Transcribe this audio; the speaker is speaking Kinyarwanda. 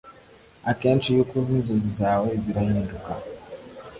akenshi iyo ukuze inzozi zawe zirahinduka